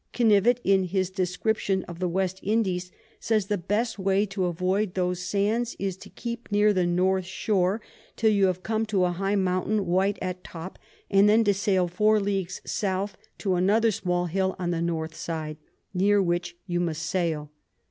Knivet, in his Description of the West Indies, says, the best way to avoid those Sands is to keep near the North Shore till you come to a high Mountain white at top; and then to sail 4 Ls. South, to another small Hill on the North side, near which you must sail.